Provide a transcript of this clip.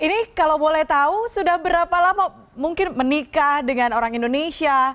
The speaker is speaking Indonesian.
ini kalau boleh tahu sudah berapa lama mungkin menikah dengan orang indonesia